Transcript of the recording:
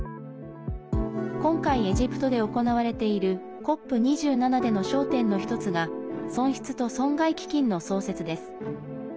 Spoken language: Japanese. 今回エジプトで行われているＣＯＰ２７での焦点の１つが「損失と損害」基金の創設です。